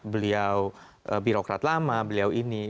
beliau birokrat lama beliau ini